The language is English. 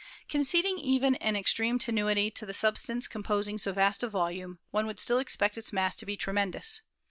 Conceding even an extreme tenuity to the substance com posing so vast a volume, one would still expect its mass to be tremendous.